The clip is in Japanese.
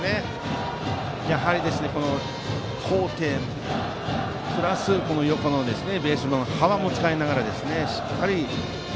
やはり高低プラス横のベースの幅も使いながらしっかり。